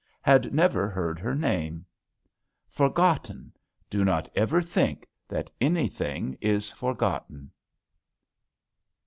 had never heard her name! Forgotten! do not ever think that anything is forgotten!